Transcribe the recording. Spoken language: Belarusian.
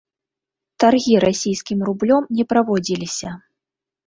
Таргі расійскім рублём не праводзіліся.